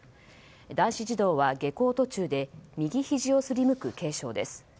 男子児童は下校途中で右ひじをすりむく軽傷です。